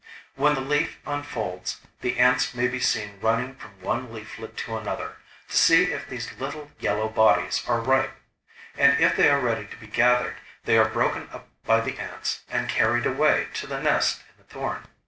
When the leaf unfolds, the ants may be seen running from one leaflet to another, to see if these little yellow bodies are ripe; and if they are ready to be gathered they are broken up by the ants and carried away to the nest in the thorn.